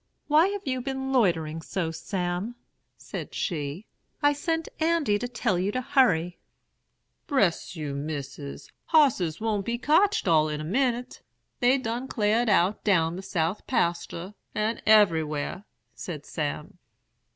'Why have you been loitering so, Sam?' said she. 'I sent Andy to tell you to hurry.' "'Bress you, Missis, hosses won't be cotched all in a minit. They done clared out down to the south pasture, and everywhar,' said Sam.